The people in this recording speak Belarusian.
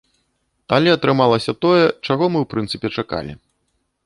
Але атрымалася тое, чаго мы, у прынцыпе, чакалі.